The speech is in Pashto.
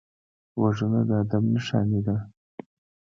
غوږونه د ادب نښانې دي